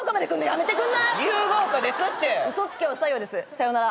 さようなら。